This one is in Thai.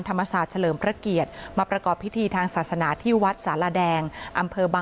ที่อยู่ที่ทำเรื่องนี้ครับ